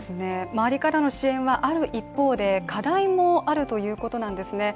周りからの支援はある一方で課題もあるということなんですね。